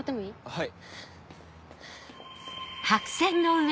はい。